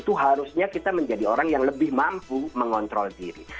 itu harusnya kita menjadi orang yang lebih mampu mengontrol diri